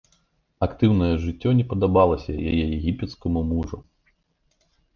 Актыўнае жыццё не падабалася яе егіпецкаму мужу.